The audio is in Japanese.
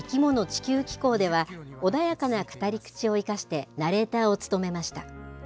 地球紀行では、穏やかな語り口を生かしてナレーターを務めました。